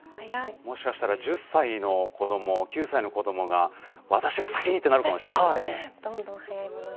もしかしたら１０歳の子ども９歳の子どもが私が先にとなるかもしれません。